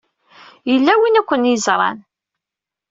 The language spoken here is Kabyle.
Yella win ay ken-yeẓran.